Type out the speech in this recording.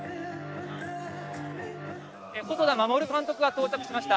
細田守監督が到着しました。